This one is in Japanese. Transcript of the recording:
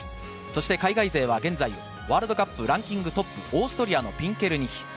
海外勢は現在、ワールドカップランキングトップ、オーストリアのピンケルニヒ。